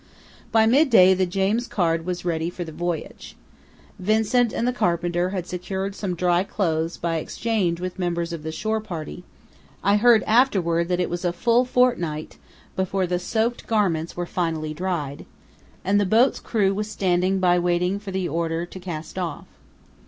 By midday the James Caird was ready for the voyage. Vincent and the carpenter had secured some dry clothes by exchange with members of the shore party (I heard afterwards that it was a full fortnight before the soaked garments were finally dried), and the boat's crew was standing by waiting for the order to cast off.